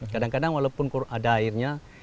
kadang kadang walaupun ada airnya